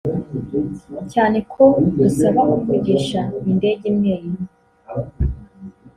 cyane ko busaba kuvugisha indege imwe imwe